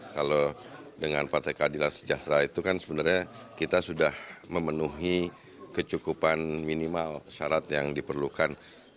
kalau dengan partai keadilan sejahtera itu kan sebenarnya kita sudah memenuhi kecukupan minimal syarat yang diperlukan